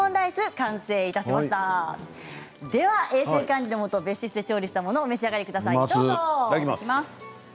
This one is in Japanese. では衛生管理のもと別室で調理したものをお召し上がりください。